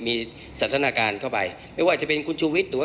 มีการที่จะพยายามติดศิลป์บ่นเจ้าพระงานนะครับ